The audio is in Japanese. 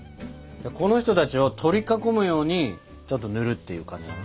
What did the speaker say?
この人たちを取り囲むようにちょっとぬるっていう感じかな。